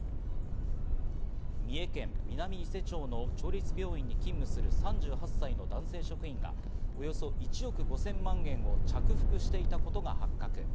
三重県南伊勢町の町立病院に勤務する３８歳の男性職員がおよそ１億５０００万円を着服していたことが発覚。